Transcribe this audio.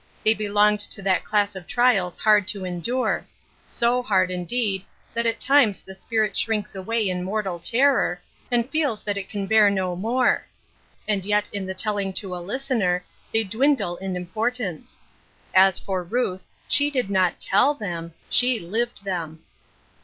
They belonged to that class of trials hard to endure — so hard, indeed, that at times the spirit shrinks away in mortal terror, and feels that it can bear no more ; and yet in the telling to a listener they dwindle in importance. As for Ruth, she did not tell them — she lived them.